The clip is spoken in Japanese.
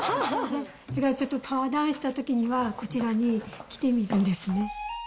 ちょっとパワーダウンしたときには、こちらに来てみるんですね。